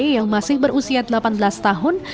yang masih berusia delapan belas tahun